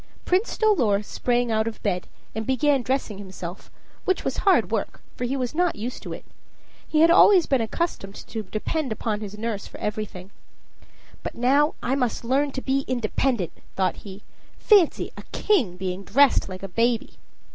Prince Dolor sprang out of bed, and began dressing himself, which was hard work, for he was not used to it he had always been accustomed to depend upon his nurse for everything. "But I must now learn to be independent," thought he. "Fancy a king being dressed like a baby!"